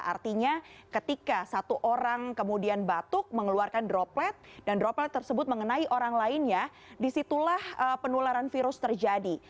artinya ketika satu orang kemudian batuk mengeluarkan droplet dan droplet tersebut mengenai orang lainnya disitulah penularan virus terjadi